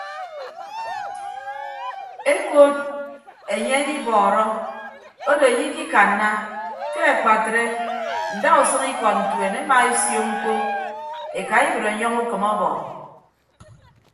Ekod enye edibọọrọ odo ikikanna ke akpatre ndausʌñ ikọd ntuen emaesio mkpọ ekaibịd ọnyọñ ukịm ọbọ.